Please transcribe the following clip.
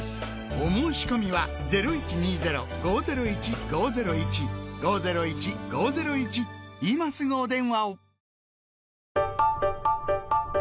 お申込みは今すぐお電話を！